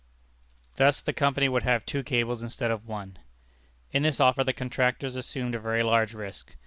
Thus the company would have two cables instead of one. In this offer the contractors assumed a very large risk.